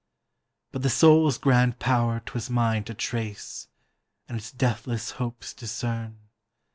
But the soul's grand power 'twas mine to trace And its deathless hopes discern.